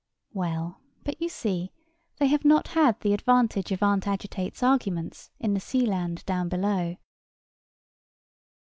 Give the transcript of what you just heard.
Well, but you see they have not the advantage of Aunt Agitate's Arguments in the sea land down below.